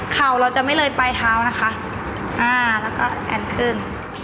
เข่าเราจะไม่เลยปลายเท้านะคะแล้วก็แอนขึ้น